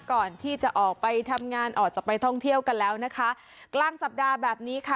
ก่อนที่จะออกไปทำงานออกจะไปท่องเที่ยวกันแล้วนะคะกลางสัปดาห์แบบนี้ค่ะ